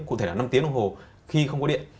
cụ thể là năm tiếng đồng hồ khi không có điện